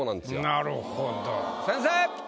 なるほど先生！